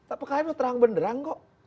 apakah itu terang beneran kok